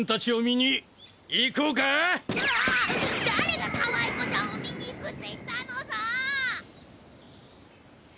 誰がかわいこちゃんを見に行くって言ったのさ！